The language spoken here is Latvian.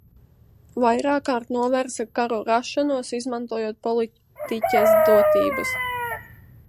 Vairākkārt novērsa karu rašanos, izmantojot politiķes dotības.